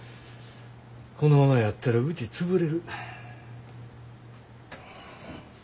このままやったらうち潰れる。